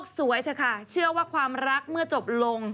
สวยเถอะค่ะเชื่อว่าความรักเมื่อจบลง